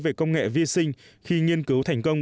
về công nghệ vi sinh khi nghiên cứu thành công